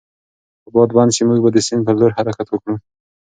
که باد بند شي، موږ به د سیند پر لور حرکت وکړو.